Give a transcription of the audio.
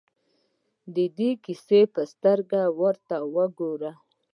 د کیسې په سترګه ورته ګورو.